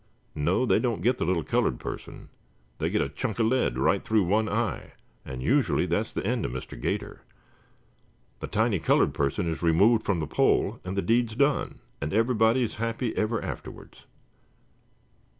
No, they don't get the little cullud person. They get a chunk of lead right through one eye and usually that's the end of Mr. 'Gator. The tiny cullud person is removed from the pole and the deed's done and everybody's happy ever afterwards."